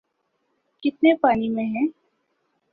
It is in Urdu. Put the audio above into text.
‘ کتنے پانی میں ہیں۔